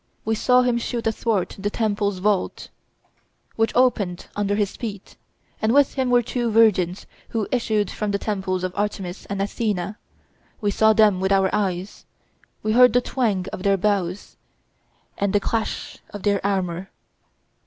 we saw him shoot athwart the temple's vault, which opened under his feet; and with him were two virgins, who issued from the temples of Artemis and Athena. We saw them with our eyes. We heard the twang of their bows, and the clash of their armor."